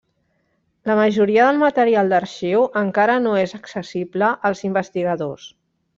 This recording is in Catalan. La majoria del material d'arxiu encara no és accessible als investigadors.